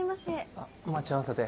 あっ待ち合わせで。